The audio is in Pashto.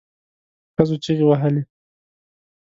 ښځو چیغې وهلې.